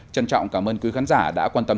trân trọng cảm ơn quý khán giả đã quan tâm